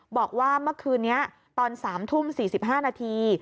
บอกว่าเมื่อคืนนี้ตอน๓ทุ่ม๔๕นาที